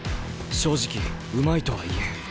正直うまいとは言えん。